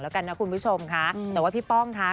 แล้วกันนะคุณผู้ชมค่ะแต่ว่าพี่ป้องค่ะ